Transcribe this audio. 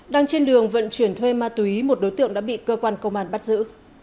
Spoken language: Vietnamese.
đang trên đường vận chuyển thuê ma túy một đối tượng đã bị cơ quan công an bắt giữ